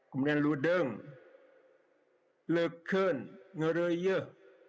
kemudian ludeng leken ngeryeh